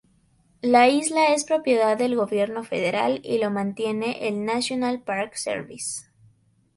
La isla es propiedad del gobierno federal y lo mantiene el National Park Service.